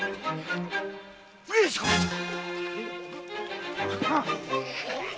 上様じゃ！